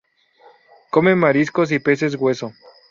Come marisco y peces hueso.